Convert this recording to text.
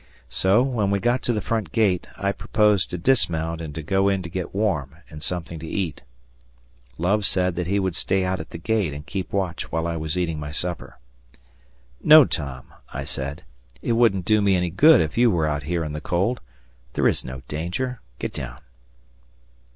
So, when we got to the front gate, I proposed to dismount and to go in to get warm and something to eat. Love said he would stay out at the gate and keep watch while I was eating my supper. "No, Tom," I said; "it wouldn't do me any good if you were out here in the cold. There is no danger; get down."